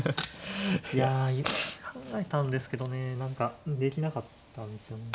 いや考えたんですけどね何かできなかったんですよね。